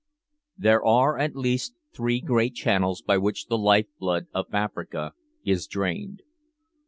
There are at least three great channels by which the life blood of Africa is drained.